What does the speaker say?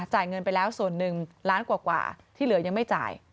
จ่ายเงินไปแล้วส่วนหนึ่งล้านกว่าที่เหลือยังไม่จ่าย